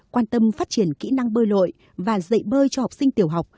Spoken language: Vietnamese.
quan tâm phát triển kỹ năng bơi lội và dạy bơi cho học sinh tiểu học